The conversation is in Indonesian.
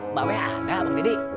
mbak be ada bang deddy